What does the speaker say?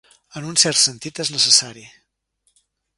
En un cert sentit, és necessari.